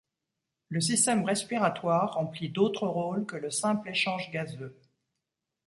Le système respiratoire remplit d'autres rôles que le simple échange gazeux.